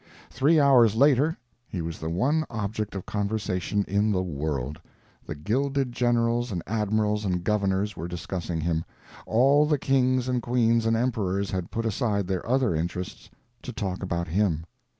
Three hours later he was the one subject of conversation in the world, the gilded generals and admirals and governors were discussing him, all the kings and queens and emperors had put aside their other interests to talk about him.